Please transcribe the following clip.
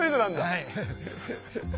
はい。